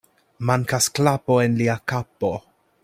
Mankas klapo en lia kapo.